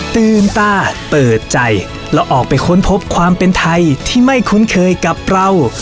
ตื่นตาเปิดใจแล้วออกไปค้นพบความเป็นไทยที่ไม่คุ้นเคยกับเรา